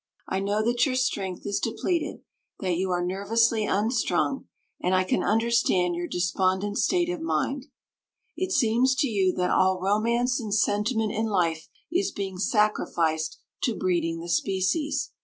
I know that your strength is depleted, that you are nervously unstrung, and I can understand your despondent state of mind. It seems to you that all romance and sentiment in life is being sacrificed to breeding the species.